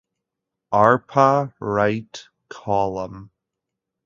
Arpa right column.